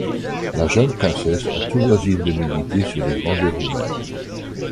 La jeune princesse a tout loisir de méditer sur les grandeurs humaines.